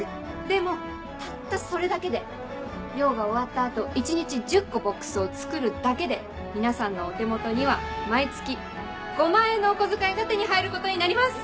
でもたったそれだけで漁が終わった後一日１０個ボックスを作るだけで皆さんのお手元には毎月５万円のお小遣いが手に入ることになります。